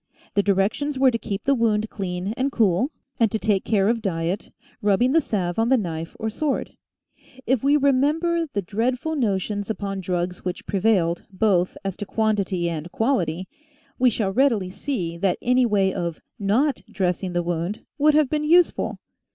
The directions were to keep the wound clean and cool, and to take care of diet, rubbing the salve on the knife or sword. If we re member the dreadful notions upon drugs which prevailed, both as to quantity and quality, we shall readily see that any way of not dressing the wound, would have been use ful.